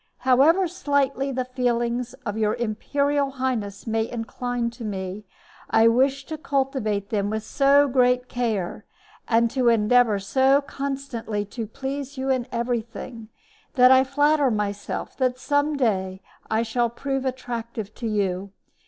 However slightly the feelings of your imperial highness may incline to me, I wish to cultivate them with so great care, and to endeavor so constantly to please you in everything, that I flatter myself that some day I shall prove attractive to you.